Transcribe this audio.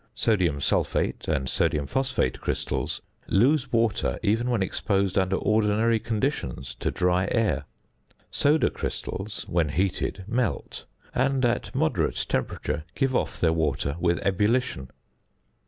Sodium sulphate and sodium phosphate crystals lose water even when exposed under ordinary conditions to dry air. Soda crystals when heated melt, and at a moderate temperature give off their water with ebullition.